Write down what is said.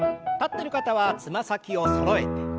立ってる方はつま先をそろえて。